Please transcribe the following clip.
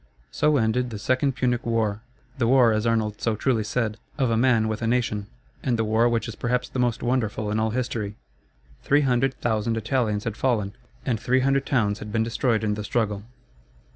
So ended the Second Punic War the war, as Arnold so truly said, of a man with a nation, and the war which is perhaps the most wonderful in all history. Three hundred thousand Italians had fallen, and three hundred towns had been destroyed in the struggle.